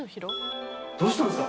どうしたんですか？